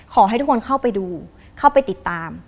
ขอให้ทุกคนเข้าไปดูเข้าไปติดตาม